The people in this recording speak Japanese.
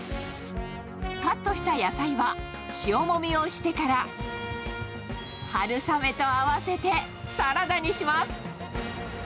カットした野菜は、塩もみをしてから、春雨と合わせてサラダにします。